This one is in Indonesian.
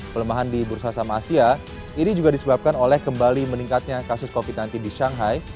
pelemahan di bursa saham asia ini juga disebabkan oleh kembali meningkatnya kasus covid sembilan belas di shanghai